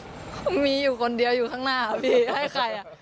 ก็มีอยู่คนเดียวอยู่ข้างหน้าครับพี่ให้ใคร